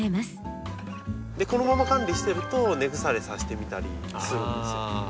このまま管理してると根腐れさせてみたりするんですよ。